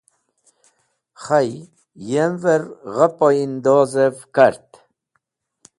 Khay, yember gha poyindozev kart.